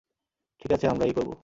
ঠিক আছে, আমরা এই করব।